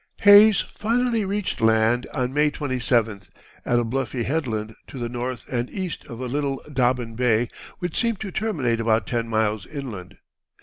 Hayes finally reached land on May 27th, at a bluffy headland "to the north and east of a little (Dobbin) bay, which seemed to terminate about ten miles inland."